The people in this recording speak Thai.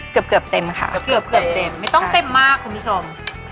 เกือบเต็มค่ะเกือบเกือบเต็มไม่ต้องเต็มมากคุณผู้ชม